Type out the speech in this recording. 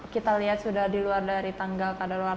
kita lihat sudah di luar dari tanggal kadang kadang